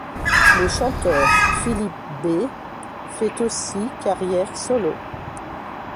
Le chanteur, Philippe B, fait aussi carrière solo.